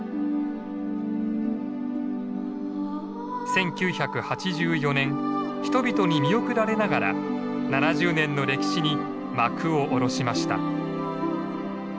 １９８４年人々に見送られながら７０年の歴史に幕を降ろしました。